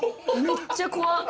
めっちゃ怖っ。